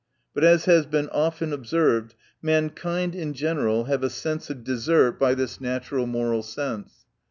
But as has been often observed, man kind in general have a sense of desert, by this natural moral sense.